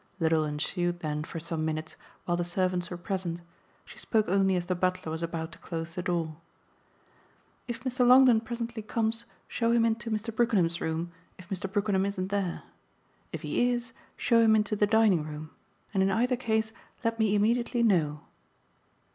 Little ensued then, for some minutes, while the servants were present; she spoke only as the butler was about to close the door. "If Mr. Longdon presently comes show him into Mr. Brookenham's room if Mr. Brookenham isn't there. If he is show him into the dining room and in either case let me immediately know."